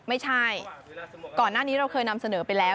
ไม่ใช่ก่อนหน้านี้เราเคยนำเสนอไปแล้ว